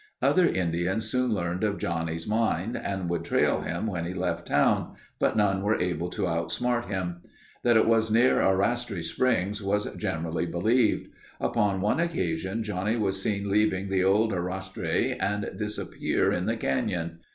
Other Indians soon learned of Johnnie's mine and would trail him when he left town, but none were able to outsmart him. That it was near Arastre Spring was generally believed. Upon one occasion Johnnie was seen leaving the old arastre and disappear in the canyon.